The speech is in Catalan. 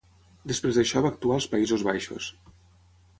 Després d'això va actuar als Països Baixos.